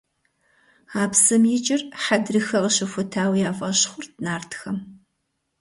А псым икӀыр Хьэдрыхэ къыщыхутауэ я фӀэщ хъурт нартхэм.